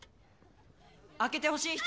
開けてほしい人？